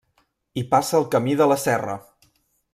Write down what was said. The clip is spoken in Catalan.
Hi passa el Camí de la Serra.